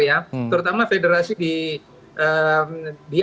ya terutama federasi di